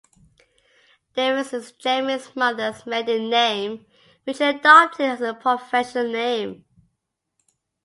Davies is Jeremy's mother's maiden name, which he adopted as his professional name.